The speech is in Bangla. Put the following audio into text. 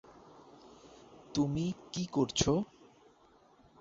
তুমি কী করছো?